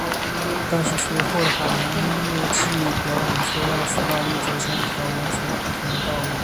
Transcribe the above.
但是随后的海洋音乐季表演却让苏打绿走向一条完全不同的道路。